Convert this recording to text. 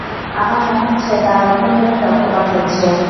আমার মনে হচ্ছে তার অভ্যন্তরীন রক্তপাত হচ্ছে।